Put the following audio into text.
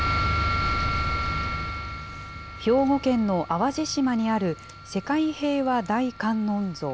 兵庫県の淡路島にある、世界平和大観音像。